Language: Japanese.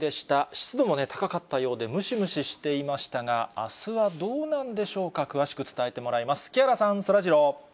湿度も高かったようで、ムシムシしていましたが、あすはどうなんでしょうか、詳しく伝えてもらいます。